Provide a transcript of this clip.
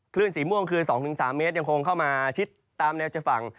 สีม่วงคือ๒๓เมตรยังคงเข้ามาชิดตามแนวชายฝั่ง